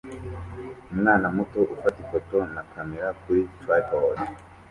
Umwana muto ufata ifoto na kamera kuri trapode